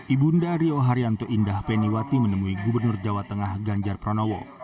ibunda rio haryanto indah peniwati menemui gubernur jawa tengah ganjar pranowo